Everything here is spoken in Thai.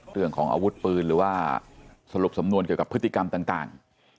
เรื่องของอาวุธปืนหรือว่าสรุปสำนวนเกี่ยวกับพฤติกรรมต่าง